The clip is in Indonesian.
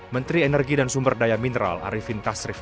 menteri energi dan sumber daya mineral arifin tasrif